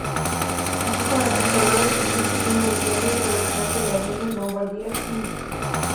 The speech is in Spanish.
Así como la prestadora de servicios de inmobiliaria y fabricante de aviones Bombardier Inc.